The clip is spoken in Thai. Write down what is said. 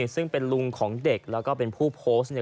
ซึ่งเป็นลุงของเด็กแล้วก็เป็นผู้โพสต์เนี่ย